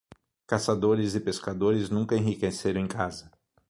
Caçadores e pescadores nunca enriqueceram em casa.